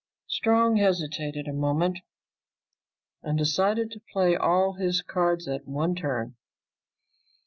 Strong hesitated a moment and decided to play all his cards at one turn.